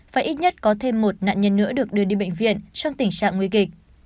và ít nhất có thêm một nạn nhân nữa được đưa đi bệnh viện trong tình trạng nguy kịch